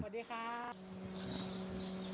สวัสดีค่ะ